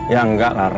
ya enggak lah ren